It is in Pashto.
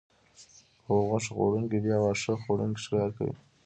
او غوښه خوړونکي بیا واښه خوړونکي ښکار کوي